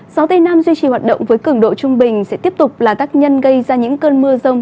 gió tây nam duy trì hoạt động với cứng độ trung bình sẽ tiếp tục là tác nhân gây ra những cơn mưa rông